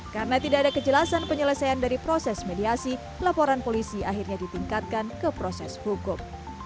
karena tidak ada kejelasan penyelesaian dari proses mediasi laporan polisi akhirnya ditingkatkan ke proses hukum